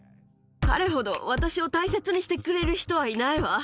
彼ほど私を大切にしてくれる人はいないわ。